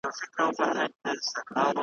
هره پېغله هره ښکلې د مُلا د سترګو خارکې ,